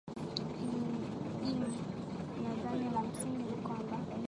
ini nadhani la msingi ni kwamba